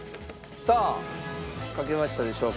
さあ書けましたでしょうか？